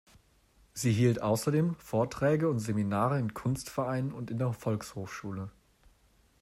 Sie hielt außerdem Vorträge und Seminare in Kunstvereinen und in der Volkshochschule.